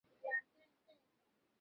কাজেই তাঁহাকে খাতিব করিয়া বসাইল।